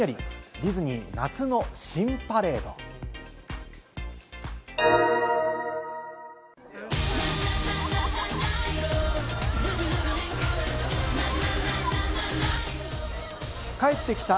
ディズニー、夏の新パレード帰ってきた！